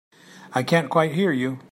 I can't quite hear you.